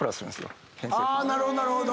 なるほどなるほど。